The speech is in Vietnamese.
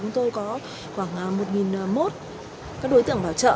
chúng tôi có khoảng một một trăm linh đối tượng bảo trợ